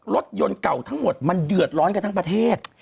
รถยนต์เก่าทั้งหมดมันเดือดร้อนกันทั้งประเทศ